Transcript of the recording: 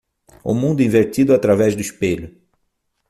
O mundo invertido através do espelho.